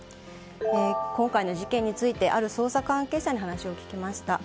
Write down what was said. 今回の事件についてある捜査関係者に話を聞きました。